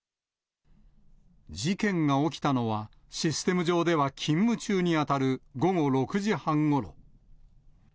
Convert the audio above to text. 事件が起きたのは、システム上では勤務中に当たる午後６時半ごろ。